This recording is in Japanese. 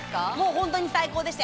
本当に最高でした！